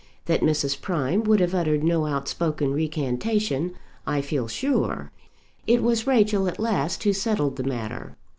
That Mrs. Prime would have uttered no outspoken recantation I feel sure. It was Rachel at last who settled the matter.